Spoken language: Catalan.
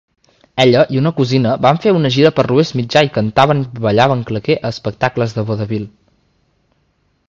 Ella i una cosina van fer una gira per l'Oest Mitjà i cantaven i ballaven claqué a espectacles de vodevil.